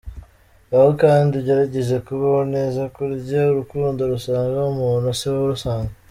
Baho kandi ugerageze kubaho neza, burya urukundo rusanga umuntu siwe urusanga.